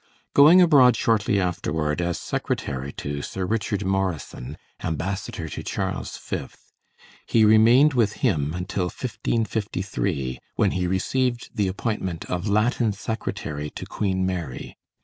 Going abroad shortly afterward as secretary to Sir Richard Morysin, ambassador to Charles V., he remained with him until 1553, when he received the appointment of Latin secretary to Queen Mary.